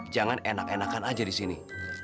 jangan enak enakan aja disini